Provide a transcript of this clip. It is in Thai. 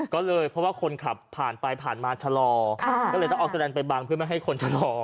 ก็เลยเพราะว่าคนขับผ่านไปผ่านมาชะลอก็เลยต้องเอาสแลนดไปบังเพื่อไม่ให้คนชะลอ